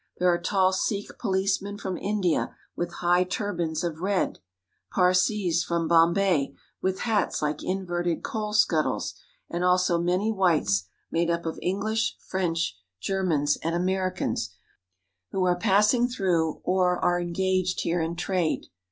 There are tall Sikh policemen from India, with high turbans of red, Parsees from Bombay, with hats like inverted coal skuttles, and also 206 SINGAPORE AND THE MALAYS many whites made up of English, French, Germans, and Americans, who are passing through or are engaged here in trade.